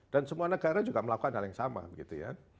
dan semua negara juga melakukan hal yang sama gitu ya